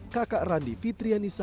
kakak randi fitriani sampai